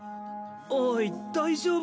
おい大丈夫か？